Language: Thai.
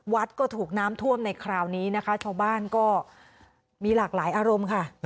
ก็ถูกน้ำท่วมในคราวนี้นะคะชาวบ้านก็มีหลากหลายอารมณ์ค่ะ